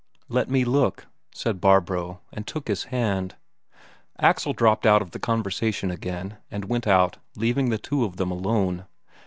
"Let me look," said Barbro, and took his hand. Axel dropped out of the conversation again, and went out, leaving the two of them alone.